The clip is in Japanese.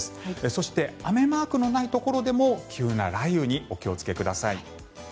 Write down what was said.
そして雨マークのないところでも急な雷雨にお気をつけください。